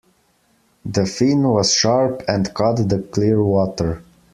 The fin was sharp and cut the clear water.